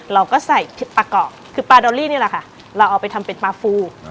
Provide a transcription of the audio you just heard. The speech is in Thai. เราก็ใส่พริกปลากรอบคือปลาดอลลี่นี่แหละค่ะเราเอาไปทำเป็นปลาฟู